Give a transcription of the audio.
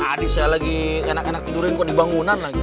tadi saya lagi enak enak tidurin kok dibangunan lagi